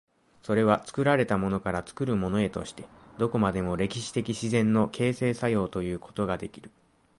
それは作られたものから作るものへとして、どこまでも歴史的自然の形成作用ということができる。